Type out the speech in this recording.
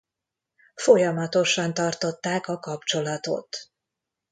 Folyamatosan tartották a kapcsolatot.